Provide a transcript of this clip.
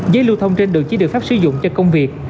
giấy lưu thông trên đường chỉ đường pháp sử dụng cho công việc